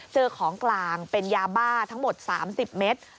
เจอของกลางเป็นยาบ้าทั้งหมด๓๐เมตร